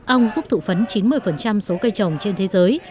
ong giúp thụ phấn chín mươi số cây trồng trên thế giới